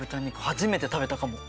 初めて食べたかも。